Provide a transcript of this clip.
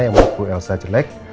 yang menurut ibu elsa jelek